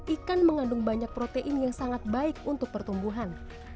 ikan mengandung banyak protein yang sangat baik untuk pertumbuhan